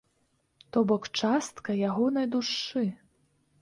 То бок частка ягонай душы.